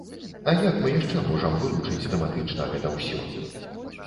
А як мы яшчэ можам вылучыць тэматычна гэта ўсё?